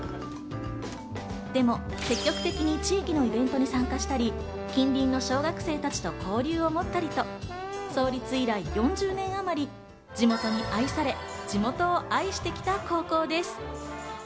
でも積極的に地域のイベントに参加したり、近隣の小学生たちと交流をもったりと創立以来４０年あまり地元に愛され地元を愛してきた高校です。